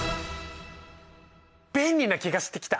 便利な気がしてきた。